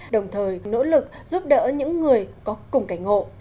đồng thời nỗ lực giúp đỡ những người có cùng cảnh ngộ